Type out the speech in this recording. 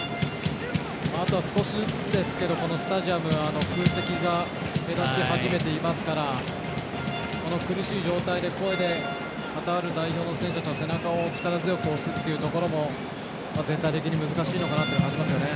あとは少しずつですけどスタジアム、空席が目立ち始めていますからこの苦しい状態で声でカタール代表の選手の背中を力強く押すというところも全体的に難しいのかなという感じですよね。